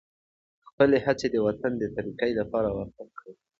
خپلې هڅې د وطن د ترقۍ لپاره وقف کړئ.